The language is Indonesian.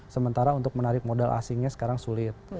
sementara untuk menarik modal asingnya sekarang sulit